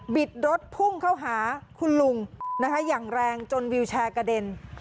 รถพุ่งเข้าหาคุณลุงนะคะอย่างแรงจนวิวแชร์กระเด็น